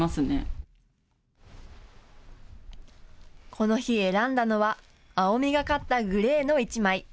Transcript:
この日、選んだのは青みがかったグレーの１枚。